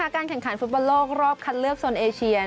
การแข่งขันฟุตบอลโลกรอบคัดเลือกโซนเอเชีย